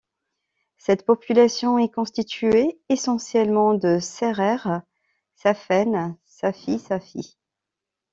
Cette population est constituée essentiellement de Sérères Saafènes Saafi-Saafi.